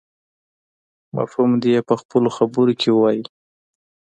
مفهوم دې يې په خپلو خبرو کې ووايي.